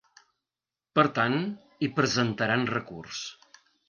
Per tant, hi presentaran recurs.